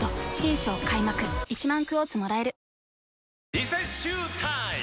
リセッシュータイム！